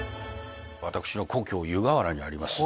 私の故郷湯河原にあります